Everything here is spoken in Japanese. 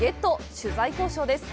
取材交渉です。